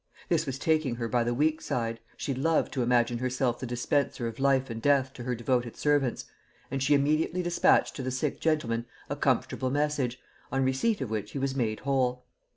This was taking her by her weak side; she loved to imagine herself the dispenser of life and death to her devoted servants, and she immediately dispatched to the sick gentleman a comfortable message, on receipt of which he was made whole.